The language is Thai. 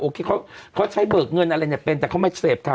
โอเคเขาเขาใช้เบิกเงินอะไรอย่างเงี้ยเป็นแต่เขาไม่เสพข่าว